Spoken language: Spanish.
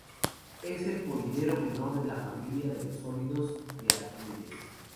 Es el poliedro menor de la familia de los sólidos de Arquímedes.